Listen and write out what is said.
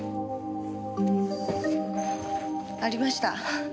ありました。